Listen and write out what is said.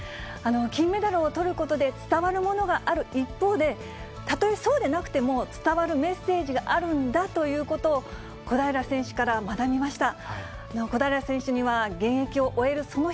金メダルをとることで伝わるものがある一方で、たとえそうでなくても、伝わるメッセージがあるんだということを、小平選手から学びました。